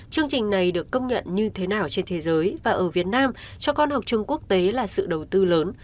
chương trình này được công nhận như thế nào trên thế giới và ở việt nam cho con học trường quốc tế là sự đầu tư lớn